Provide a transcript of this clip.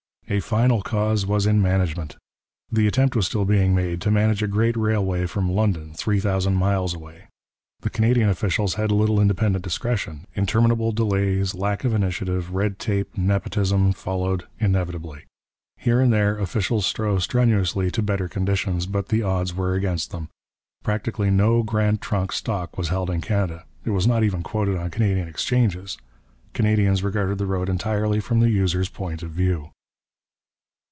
A final cause was in management. The attempt was still being made to manage a great railway from London, three thousand miles away. The Canadian officials had little independent discretion; interminable delays, lack of initiative, red tape, nepotism, followed inevitably. Here and there officials strove strenuously to better conditions, but the odds were against them. Practically no Grand Trunk stock was held in Canada; it was not even quoted on Canadian exchanges; Canadians regarded the road entirely from the user's point of view.